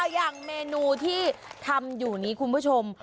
อย่างเมนูที่ทำอยู่นี้คุณผู้ชม